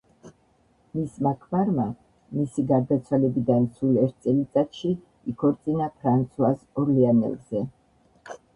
მისმა ქმარმა, მისი გარდაცვალებიდან სულ ერთ წელიწადში იქორწინა ფრანსუაზ ორლეანელზე.